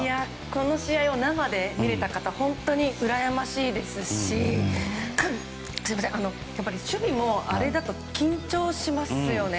この試合を生で見れた方は本当にうらやましいですしやっぱり守備もあれだと緊張しますよね。